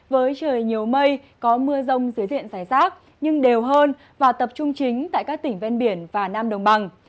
với trời nhiều mây có mưa rông dưới diện giải rác nhưng đều hơn và tập trung chính tại các tỉnh ven biển và nam đồng bằng